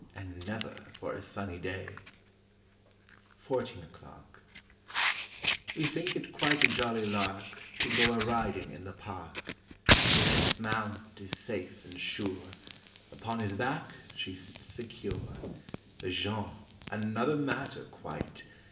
And never for a sunny day! 29 THIRTEEN O'CLOCK 31 FOURTEEN O'CLOCK W E think it quite a jolly lark To go a riding in the park. Jeanette's mount is safe and sure, Upon his back she sits secure. But Jean—another matter, quite!